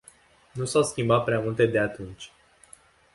Nu s-au schimbat prea multe de atunci.